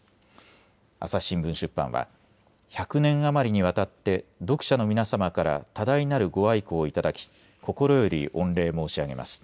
朝日新聞出版は１００年余りにわたって読者の皆様から多大なるご愛顧をいただき心より御礼申し上げます。